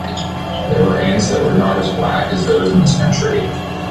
There were ants there that were not as black as those in this country.